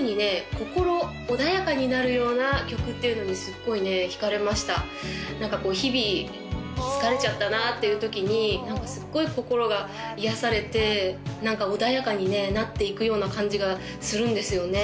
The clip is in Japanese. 心穏やかになるような曲っていうのにすごいね引かれました日々疲れちゃったなっていうときに何かすごい心が癒やされて穏やかになっていくような感じがするんですよね